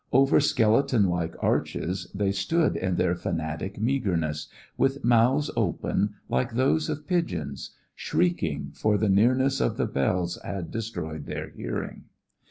Over skeleton like arches they stood in their fanatic meagerness, with mouths open, like those of pigeons; shrieking, for the nearness of the bells had destroyed their hearing.